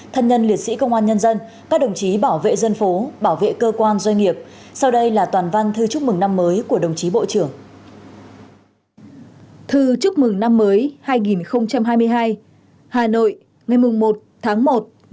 thư chúc mừng năm mới hai nghìn hai mươi hai hà nội ngày một tháng một năm hai nghìn hai mươi hai